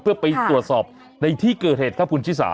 เพื่อไปตรวจสอบในที่เกิดเหตุข้าพูดชิฟธา